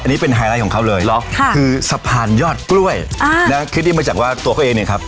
อันนี้เป็นไฮไลท์ของเขาเลยเหรอคือสะพานยอดกล้วยอ่านะคลิปนี้มาจากว่าตัวเขาเองเนี่ยครับ